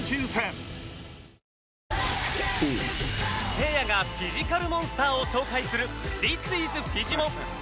せいやがフィジカルモンスターを紹介する Ｔｈｉｓｉｓ フィジモン